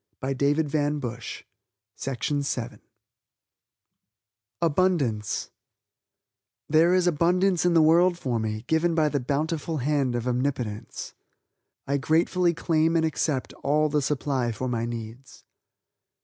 ABUNDANCE (See also Abundance, page 11) "There is abundance in the world for me given by the bountiful hand of Omnipotence. I gratefully claim and accept all the supply for my needs."